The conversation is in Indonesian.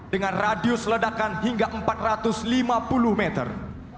dengan radius ledakan hingga empat ratus lima puluh meter